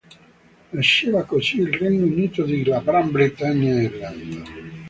Nasceva così il Regno Unito di Gran Bretagna e Irlanda.